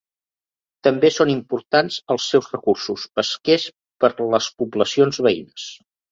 També són importants els seus recursos pesquers per a les poblacions veïnes.